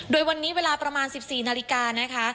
โดยวันนี้เวลาประมาณ๑๔นาฬิกานะคะ